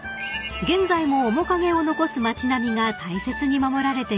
［現在も面影を残す町並みが大切に守られています］